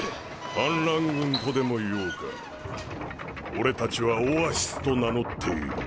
・反乱軍とでも言おうか・・俺たちは「オアシス」と名乗っている・